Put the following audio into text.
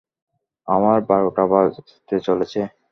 আমার বারোটা বাজতে চলেছে।